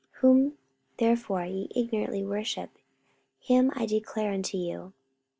Whom therefore ye ignorantly worship, him declare I unto you.